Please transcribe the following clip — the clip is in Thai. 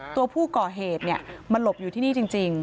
ตัวผู้ก่อเหตุมาหลบอยู่ที่นี่จริง